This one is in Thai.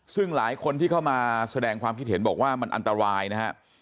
ซึ่งหลายคนที่เข้ามาแสดงความคิดเห็นบอกว่ามันอันตรายนะฮะ